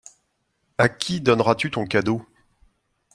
À qui donneras-tu ton cadeau ?